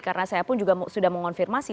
karena saya pun juga sudah mengonfirmasi